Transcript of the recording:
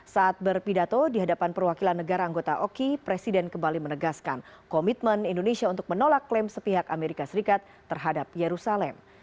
saat berpidato di hadapan perwakilan negara anggota oki presiden kembali menegaskan komitmen indonesia untuk menolak klaim sepihak amerika serikat terhadap yerusalem